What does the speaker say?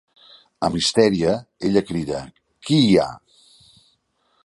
"Amb histèria" ella crida "Qui hi ha?